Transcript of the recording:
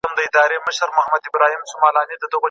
آیا دغه اتل به د تل لپاره په زړونو کې پاتې شي؟